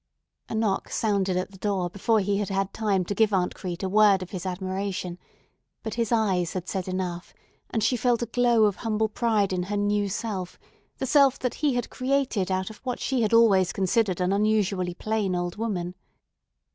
A knock sounded at the door before he had had time to give Aunt Crete a word of his admiration; but his eyes had said enough, and she felt a glow of humble pride in her new self, the self that he had created out of what she had always considered an unusually plain old woman.